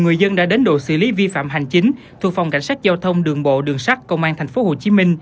người dân đã đến đội xử lý vi phạm hành chính thuộc phòng cảnh sát giao thông đường bộ đường sát công an tp hcm